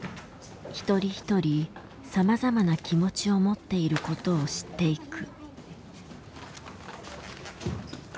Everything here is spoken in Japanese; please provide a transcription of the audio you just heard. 一人一人さまざまな気持ちを持っていることを知っていく。